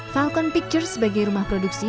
falcon picture sebagai rumah produksi